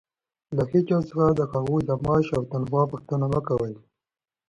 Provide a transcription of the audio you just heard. له هېچا څخه د هغوى د معاش او تنخوا پوښتنه مه کوئ!